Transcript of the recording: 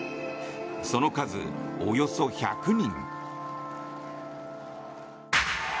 その数およそ１００人。